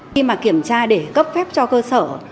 khi mà kiểm tra để cấp phép cho cơ sở